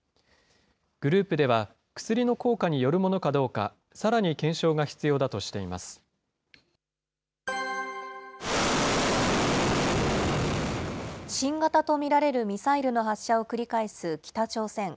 グループでは、薬の効果によるものかどうか、さらに検証が必要だ新型と見られるミサイルの発射を繰り返す北朝鮮。